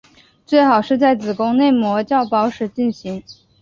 最好是在子宫内膜较薄时进行。